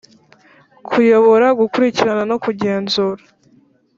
kuyobora gukurikirana no kugenzura